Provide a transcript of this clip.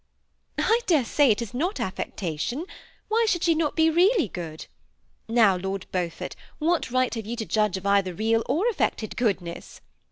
" I dare say it is not affectation. Why should she 102 THE SEMI ATTACHED COUPLE. not be really good ? Now, Lord Beaufort, what right have you to judge of either real or affected goodness